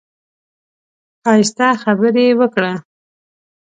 ښايسته خبرې وکړه.